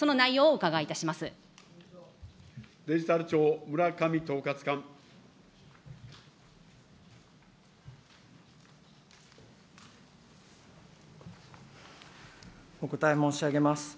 お答え申し上げます。